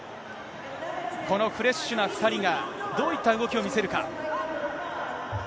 このフレッシュな２人が、どういった動きを見せるか。